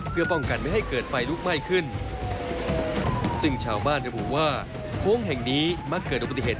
เพื่อป้องกันไม่ให้เกิดไฟลุกไหม้ขึ้นซึ่งชาวบ้านระบุว่าโค้งแห่งนี้มักเกิดอุบัติเหตุ